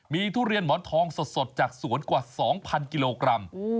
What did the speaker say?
มีทุเรียนหมอนทองสดจากสวนกว่า๒๐๐กิโลกรัม